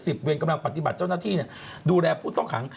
เวรกำลังปฏิบัติเจ้าหน้าที่ดูแลผู้ต้องขัง